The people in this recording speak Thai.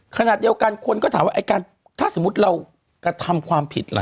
ขนาดเดียวกันเค้าก็ถามว่าการถ้าสมมติระทำความผิดล่ะ